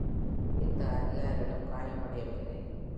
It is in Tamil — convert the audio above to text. எந்த அதிகாரிகளும் காயமடையவில்லை.